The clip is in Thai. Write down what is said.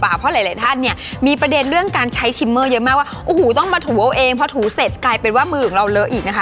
เพราะหลายท่านเนี่ยมีประเด็นเรื่องการใช้ชิมเมอร์เยอะมากว่าโอ้โหต้องมาถูเอาเองพอถูเสร็จกลายเป็นว่ามือของเราเลอะอีกนะคะ